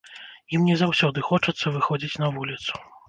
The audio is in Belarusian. Ім не заўсёды хочацца выходзіць на вуліцу.